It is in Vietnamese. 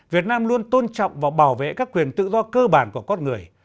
việt nam luôn tôn trọng và bảo vệ các quyền tự do cơ bản của con người